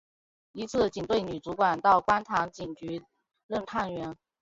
一次警队女主管到观塘警局任探员。